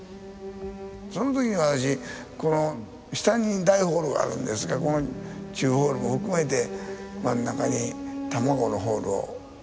その時私この下に大ホールがあるんですけど中ホールを含めて真ん中に卵のホールをつくりたいと。